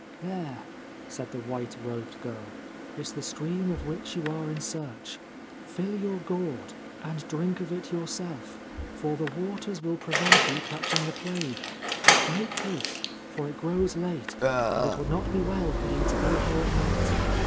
< There,' said the white robed girl, ' is the stream of which you are in search. Fill your gourd, and drink of 191 Ancient Tales and Folklore of Japan it yourself, for the waters will prevent you catching the plague. Make haste, for it grows late, and it would not be well for you to be here at night.